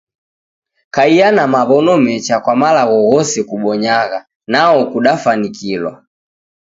Kaiya na maw'ono mecha kwa malagho ghose kubonyagha, nao kudafanikilwa.